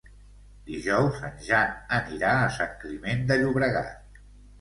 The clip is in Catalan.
Dijous en Jan anirà a Sant Climent de Llobregat.